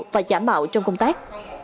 và giả mạo trong công tác